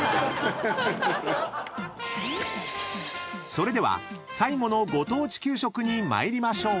［それでは最後のご当地給食に参りましょう］